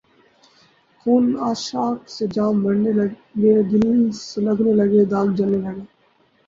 خون عشاق سے جام بھرنے لگے دل سلگنے لگے داغ جلنے لگے